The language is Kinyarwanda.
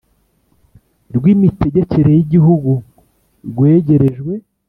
Rw imitegekere y igihugu rwegerejwe